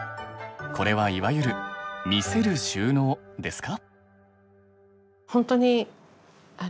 これはいわゆる「見せる収納」ですか？